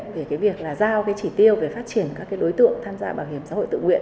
về việc giao chỉ tiêu về phát triển các đối tượng tham gia bảo hiểm xã hội tự nguyện